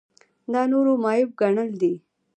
دا نورو معیوب ګڼل دي.